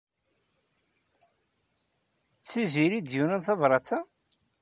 D Tiziri ay d-yuran tabṛat-a?